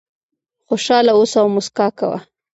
خوشاله اوسه او موسکا کوه .